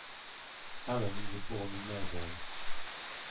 Allan was born in Melbourne.